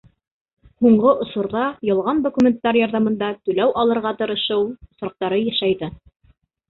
Һуңғы осорҙа ялған документтар ярҙамында түләү алырға тырышыу осраҡтары йышайҙы.